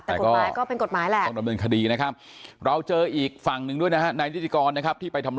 ต้องระเบิดคดีนะครับเราเจอฝั่งหนึ่งด้วยนะฮะนายทิสติกรที่ไปทำรับประการ